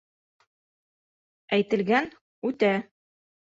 Әйтелгән - үтә!